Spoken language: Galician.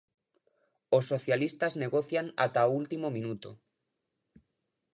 Os socialistas negocian ata o último minuto.